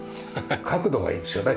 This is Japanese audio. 角度がいいですよね。